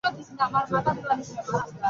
ছেলেটির বক্তব্য খুব জোরাল নয়।